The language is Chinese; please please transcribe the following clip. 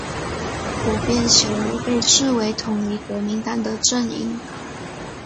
湖边小屋被视为统一国民党的阵营。